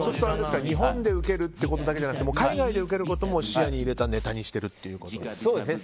日本でウケるってことだけじゃなくて海外でウケることも視野に入れたネタにしてるってことですか。